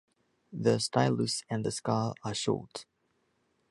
The stylus and the scar are short.